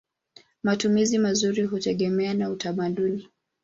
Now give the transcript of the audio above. Matumizi mazuri hutegemea na utamaduni.